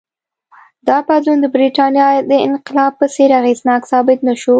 دا بدلون د برېټانیا د انقلاب په څېر اغېزناک ثابت نه شو.